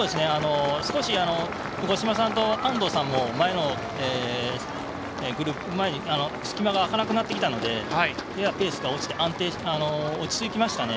少し五島さんと安藤さんも前のグループとすき間が空かなくなってペースが落ちて落ち着きましたね。